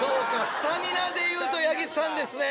スタミナでいうと八木さんですね。